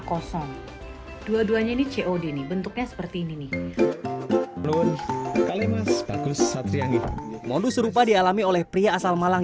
kosong dua duanya ini cod nih bentuknya seperti ini nih bagus satria modus serupa dialami oleh pria asal malang